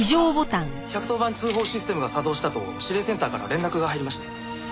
１１０番通報システムが作動したと指令センターから連絡が入りまして。